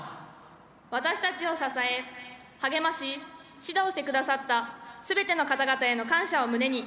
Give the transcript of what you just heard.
私たちを支え、励まし指導してくださったすべての方々への感謝を胸に。